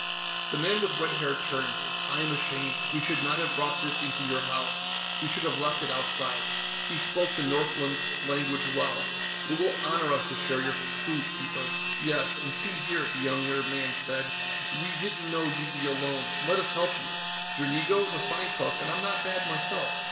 The man with red hair turned. "I am ashamed. We should not have brought this into your house; we should have left it outside." He spoke the Northland language well, "It will honor us to share your food, Keeper." "Yes, and see here," the younger man said, "we didn't know you'd be alone. Let us help you. Dranigo's a fine cook, and I'm not bad, myself."